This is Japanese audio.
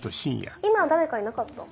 今誰かいなかった？